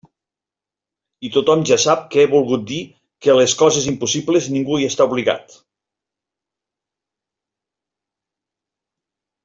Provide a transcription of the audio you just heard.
I tothom ja sap que he volgut dir que a les coses impossibles ningú està obligat.